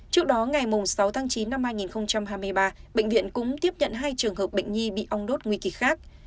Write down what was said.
trước đó ngày sáu tháng chín năm hai nghìn hai mươi ba bệnh viện cũng tiếp nhận hai trường hợp bệnh nhi bị ong đốt nguy kịch khác